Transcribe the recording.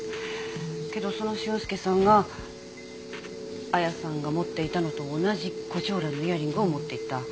けどその俊介さんが亜矢さんが持っていたのと同じコチョウランのイヤリングを持っていた。